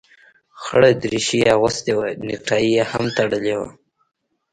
خړه دريشي يې اغوستې وه نيكټايي يې هم تړلې وه.